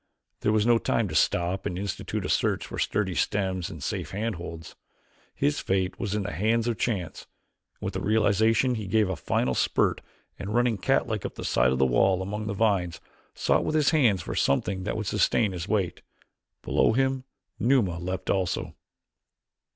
There was no time to stop and institute a search for sturdy stems and safe handholds. His fate was in the hands of chance and with the realization he gave a final spurt and running catlike up the side of the wall among the vines, sought with his hands for something that would sustain his weight. Below him Numa leaped also.